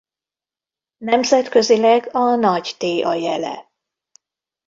Nemzetközileg a nagy T a jele.